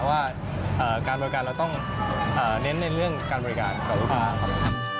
เพราะว่าการบริการเราต้องเน้นในเรื่องการบริการต่อลูกค้าครับ